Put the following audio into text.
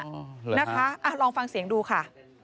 นะคะลองฟังเสียงดูค่ะ